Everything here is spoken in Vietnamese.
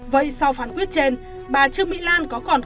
vậy sau phán quyết trên bà trương mỹ lan có còn